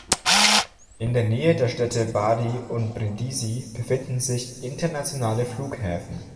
In der Nähe der Städte Bari und Brindisi befinden sich internationale Flughäfen.